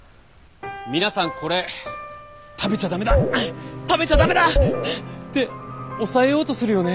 皆さんこれ食べちゃ駄目だ食べちゃ駄目だって抑えようとするよね？